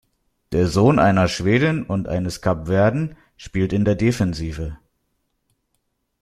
Der Sohn einer Schwedin und eines Kapverden spielt in der Defensive.